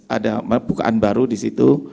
ada bukaan baru di situ